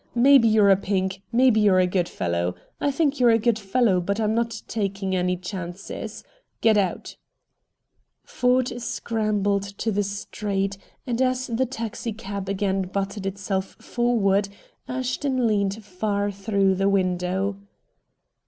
"Maybe you're a 'Pink,' maybe you're a good fellow. I think you're a good fellow, but I'm not taking any chances. Get out!" Ford scrambled to the street, and as the taxicab again butted itself forward, Ashton leaned far through the window.